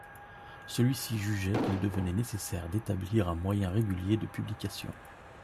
Celui-ci jugeait qu'il devenait nécessaire d'établir un moyen régulier de publication.